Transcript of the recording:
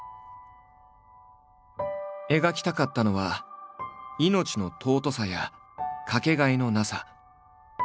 描きたかったのは「命の尊さ」や「かけがえのなさ」。